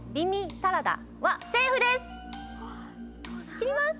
切ります。